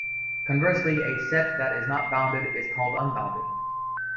Conversely a set that is not bounded is called unbounded.